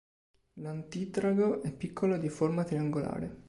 L'antitrago è piccolo e di forma triangolare.